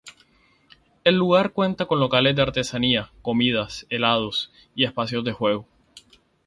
El lugar cuenta con locales de artesanías, comidas, helados y espacio de juegos.